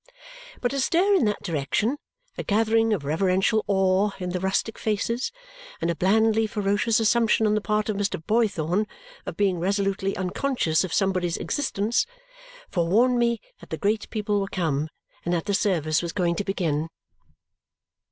But a stir in that direction, a gathering of reverential awe in the rustic faces, and a blandly ferocious assumption on the part of Mr. Boythorn of being resolutely unconscious of somebody's existence forewarned me that the great people were come and that the service was going to begin.